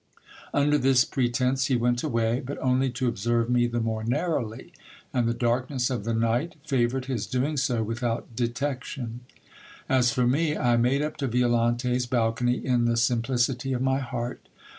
Under this pretence he went away, but only to observe me the more narrowly ; and the darkness of the night fa voured his doing so without detection. As for me, I made up to Violante's balcony in the simplicity of my heart.